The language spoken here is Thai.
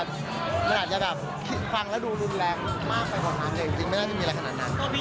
มันอาจจะฟังแล้วดูรุนแรงมากไปกว่าถามนี้